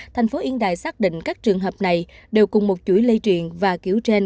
thành phố yên đài xác định các trường hợp này đều cùng một chuỗi lây truyền và kiểu trên